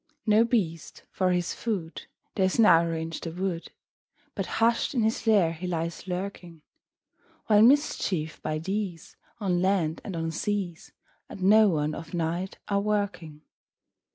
No beast, for his food, Dares now range the wood, But hush'd in his lair he lies lurking; While mischiefs, by these, On land and on seas, At noon of night are a working.